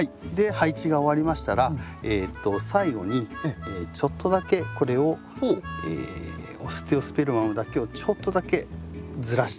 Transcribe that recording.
配置が終わりましたら最後にちょっとだけこれをオステオスペルマムだけをちょっとだけずらしていきます。